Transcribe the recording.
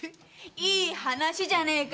いい話じゃねえか。